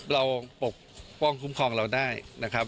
ปกป้องคุ้มครองเราได้นะครับ